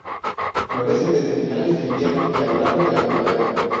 Florece desde finales del invierno y a lo largo de la primavera.